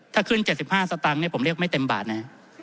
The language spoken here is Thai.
ถ้าขึ้น๗๕สตางค์ผมเรียกไม่เต็มบาทนะ